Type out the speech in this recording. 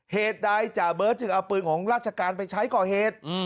เหตุใดจ่าเบิร์ตจึงเอาปืนของราชการไปใช้ก่อเหตุ